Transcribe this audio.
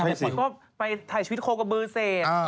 พี่ก็ไปถ่ายชีวิตโคกกับบื้อเศษ